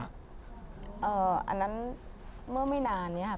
อ๋ออันนั้นเมื่อไม่นานเนี่ยค่ะ